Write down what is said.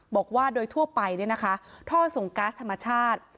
บอกว่าโดยทั่วไปท่อส่งกัสธรรมชาติ